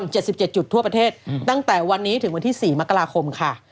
๗๗จุดทั่วประเทศตั้งแต่วันนี้ถึงวันที่๔มกราคมค่ะ